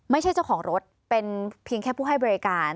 เจ้าของรถเป็นเพียงแค่ผู้ให้บริการ